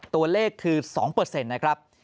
ตัวเลขคือ๒นะครับ